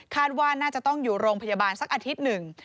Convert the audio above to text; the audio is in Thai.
ว่าน่าจะต้องอยู่โรงพยาบาลสักอาทิตย์หนึ่ง